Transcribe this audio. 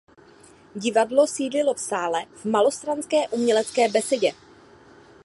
Divadlo sídlilo v sále v malostranské Umělecké besedě.